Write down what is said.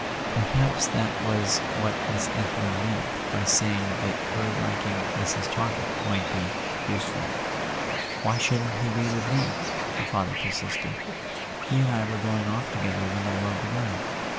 Perhaps that was what Miss Anthony [ 318 ] A SON AT THE FRONT meant by saying that her liking Mrs. Talkett might be "useful." "Why shouldn't he be with me?" the father per¬ sisted. "He and I were going off together when the war begun.